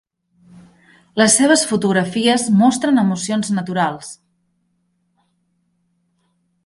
Les seves fotografies mostren emocions naturals.